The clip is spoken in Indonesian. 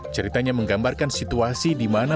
ceritanya menggambarkan situasi di mana